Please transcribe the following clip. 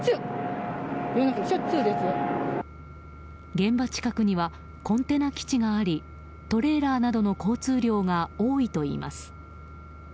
現場近くにはコンテナ基地がありトレーラーなどの交通量が多いといいます。